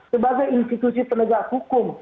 sebagai institusi penegak hukum